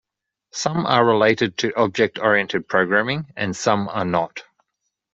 Some are related to object-oriented programming and some are not.